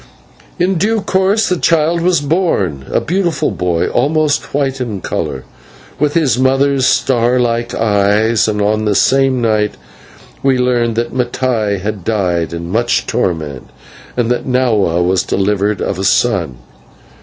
In due course the child was born, a beautiful boy, almost white in colour, with his mother's star like eyes; and on this same night we learned that Mattai had died in much torment, and that Nahua was delivered of a son.